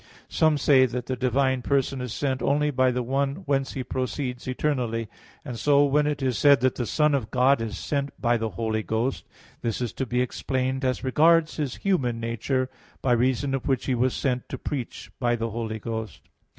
Some say that the divine person is sent only by the one whence He proceeds eternally; and so, when it is said that the Son of God is sent by the Holy Ghost, this is to be explained as regards His human nature, by reason of which He was sent to preach by the Holy Ghost.